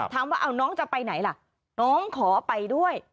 ถามว่าเอาน้องจะไปไหนล่ะน้องขอไปด้วย